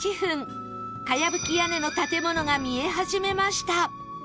茅葺き屋根の建物が見え始めました